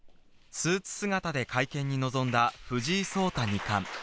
スーツ姿で会見に臨んだ藤井聡太二冠。